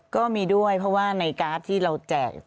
ก็มีด้วยเพราะว่าในการ์ดที่เราแจก